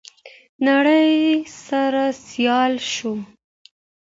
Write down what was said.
نړۍ سره سيال شو.